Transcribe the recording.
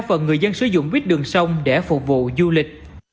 và người dân sử dụng buýt đường sông để phục vụ du lịch